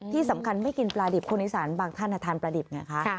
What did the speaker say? ที่สำคัญไม่กินปลาดิบคนอีสานบางท่านทานปลาดิบไงคะ